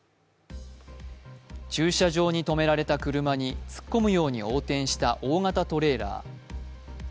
駐車場に止められた車に突っ込むように横転した大型トレーラー。